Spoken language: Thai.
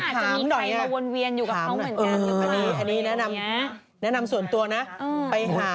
เขาไม่อาจจะมีใครมาวนเวียนอยู่กับเขาเหมือนกัน